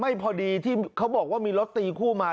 พอดีที่เขาบอกว่ามีรถตีคู่มา